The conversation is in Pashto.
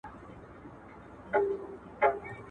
لکه څنګه چي قدرت و مزري ته پنجې